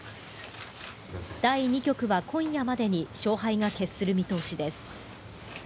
第２局は今夜までに勝敗が決する見通しです。